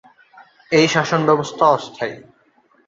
এই শাসনব্যবস্থা অস্থায়ী।